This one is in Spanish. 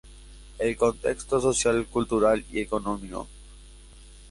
El "Contexto social, cultural y económico.